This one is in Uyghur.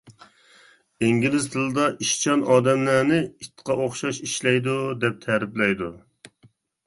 ئىنگلىز تىلىدا ئىشچان ئادەملەرنى «ئىتقا ئوخشاش ئىشلەيدۇ» دەپ تەرىپلەيدۇ.